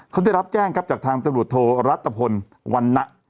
เขาได้รับแจ้งครับจากทางตำรวจโทรัตพลวันนะ